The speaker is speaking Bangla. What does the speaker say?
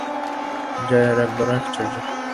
জয়ার রাগ বড় আশ্চর্য।